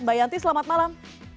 mbak yanti selamat malam